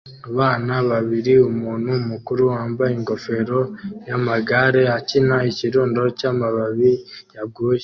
Abana babiri umuntu mukuru wambaye ingofero yamagare akina ikirundo cyamababi yaguye